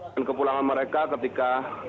dan kepulangan mereka ketika